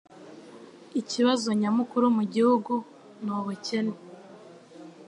Ikibazo nyamukuru mu gihugu ni ubukene.